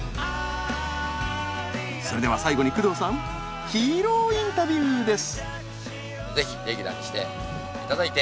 それでは最後に工藤さんヒーローインタビューです。